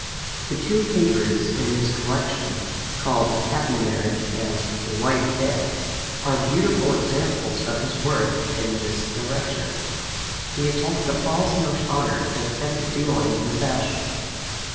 The two papers in this collection, called "Happy Marriage" and "A Wife Dead," are beautiful examples of his work in this direction. He attacked the false notions of honour that kept duelling in fashion.